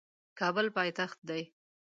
کابل پایتخت دی